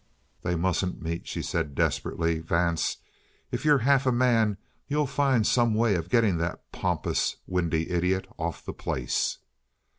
"They mustn't meet," she said desperately. "Vance, if you're half a man you'll find some way of getting that pompous, windy idiot off the place."